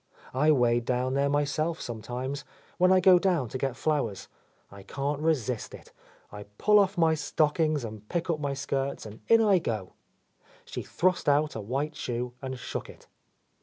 "I wade down there myself some times, when I go down to get flowers. I can't resist it. I pull off my stockings and pick up my skirts, and in I go 1" She thrust out a white shoe and shook it.